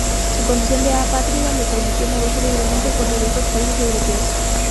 Su condición de apátrida le permitió moverse libremente por diversos países europeos.